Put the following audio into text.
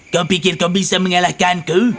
kau pikir kau bisa mengalahkanku